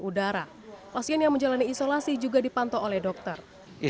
udara pasien yang menjalani isolasi juga dipantau oleh dokter isolasi atau karantina